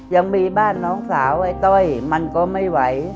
ยังมีบ้านน้องสาวไอ้ต้อยมันก็ไม่ไหว